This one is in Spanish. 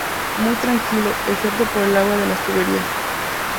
Muy tranquilo, excepto por el agua de las tuberías.